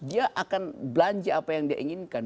dia akan belanja apa yang dia inginkan